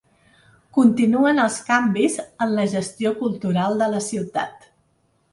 Continuen els canvis en la gestió cultural de la ciutat.